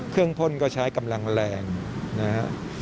เครื่องพ่นก็ใช้กำลังแรงนะครับ